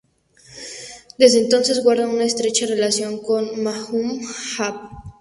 Desde entonces guarda una estrecha relación con Mahmud Abbas.